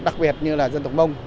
đặc biệt như là dân tộc mông